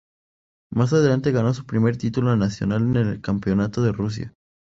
Más adelante ganó su primer título nacional en el Campeonato de Rusia.